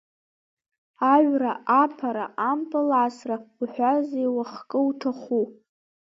Аҩра, аԥара, ампыласра, уҳәа зеиуахкы уҭаху.